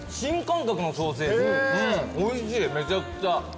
おいしいめちゃくちゃ。